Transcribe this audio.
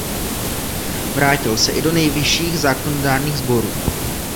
Vrátil se i do nejvyšších zákonodárných sborů.